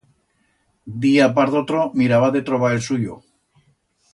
Día par d'otro, miraba de trobar el suyo.